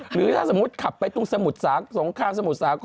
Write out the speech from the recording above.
หรือถ้าสมมุติขับไปตรงสมุทรศักดิ์สงครามสมุทรศักดิ์